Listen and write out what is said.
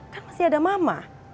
kan masih ada mama